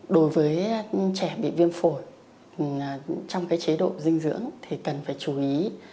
đối với trẻ bị viêm phổi trong chế độ dinh dưỡng thì cần phải chú ý